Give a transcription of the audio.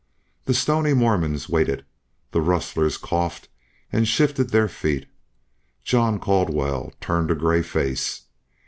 The stony Mormons waited; the rustlers coughed and shifted their feet. John Caldwell turned a gray face.